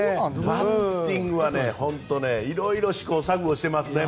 バッティングは本当いろいろ試行錯誤してますね。